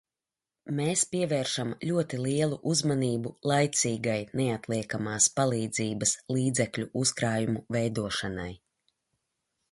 Mēs pievēršam ļoti lielu uzmanību laicīgai neatliekamās palīdzības līdzekļu uzkrājumu veidošanai.